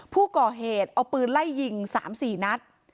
ผู้ก่อเหตุเอาปืนไล่ยิง๓๔นัด